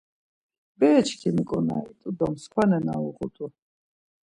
Bere çkimi ǩonari t̆u do mskva nena uğut̆u.